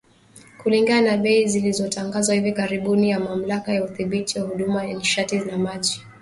Kulingana na bei zilizotangazwa hivi karibuni na Mamlaka ya Udhibiti wa Huduma za Nishati na Maji kuanzia Aprili sita